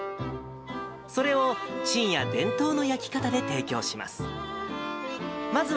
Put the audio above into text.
それをちんや伝統の焼き方で提供します。